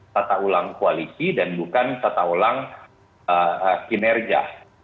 tata ulang koalisi dan bukan tata ulang kinerja